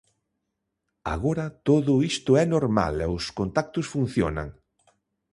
Agora todo isto é normal e os contactos funcionan.